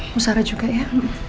bu sara juga ya